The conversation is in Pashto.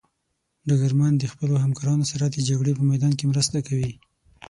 ډګرمن د خپلو همکارانو سره د جګړې په میدان کې مرسته کوي.